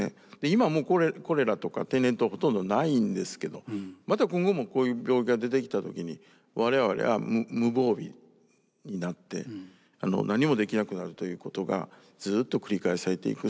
今はもうコレラとか天然痘はほとんどないんですけどまた今後もこういう病気が出てきた時に我々は無防備になって何もできなくなるということがずっと繰り返されていく。